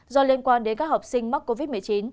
do liên quan đến các học sinh mắc covid một mươi chín